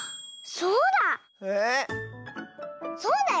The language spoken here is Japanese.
そうだよ。